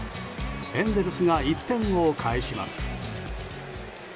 エンゼルスが１点を返します。